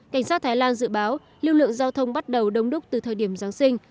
cảnh sát thái lan dự báo lưu lượng giao thông bắt đầu đông đúc từ thời điểm giáng sinh